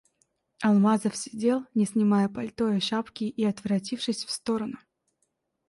Алмазов сидел, не снимая пальто и шапки и отворотившись в сторону...